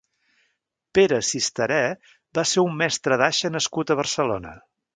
Pere Sisterè va ser un mestre d'aixa nascut a Barcelona.